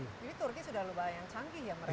jadi turki sudah lebih yang canggih ya mereka